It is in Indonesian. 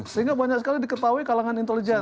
sehingga banyak sekali diketahui kalangan intelijen